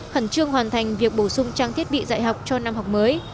khẩn trương hoàn thành việc bổ sung trang thiết bị dạy học cho năm học mới